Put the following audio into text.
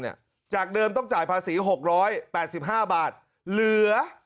เนี่ยจากเดิมต้องจ่ายภาษีหกร้อยแปดสิบห้าบาทเหลือ